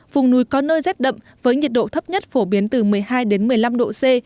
vùng núi có nơi rét đậm với nhiệt độ thấp nhất phổ biến từ một mươi hai đến một mươi năm độ c